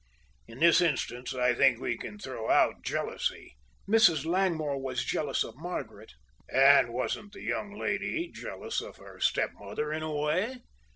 In this instance I think we can throw out jealousy " "Mrs. Langmore was jealous of Margaret." "And wasn't the young lady jealous of her stepmother in a way?"